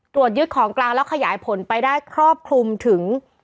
ตรวจยึดของกลางแล้วขยายผลไปได้ครอบคลุมถึง